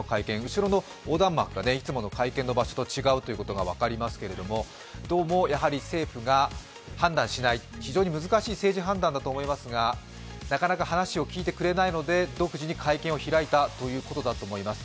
後ろの横断幕がいつもの会見場所と違うことが分かりますけれどもどうも政府が判断しない、非常に難しい政治判断だと思いますがなかなか話を聞いてくれないので、独自に会見を開いたということだと思います。